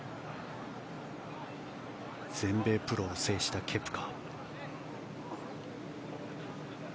全米プロを制したケプカ。